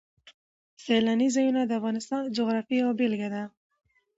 سیلاني ځایونه د افغانستان د جغرافیې یوه بېلګه ده.